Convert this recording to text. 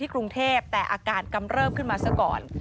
กรุงเทพแต่อาการกำเริบขึ้นมาซะก่อน